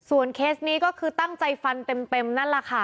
เคสนี้ก็คือตั้งใจฟันเต็มนั่นแหละค่ะ